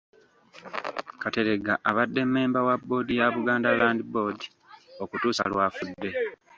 Kateregga abadde mmemba wa bboodi ya Buganda Land Board okutuusa lw’afudde.